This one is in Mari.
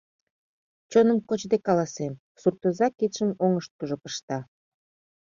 — Чоным кочде каласем, — суртоза кидшым оҥышкыжо пышта.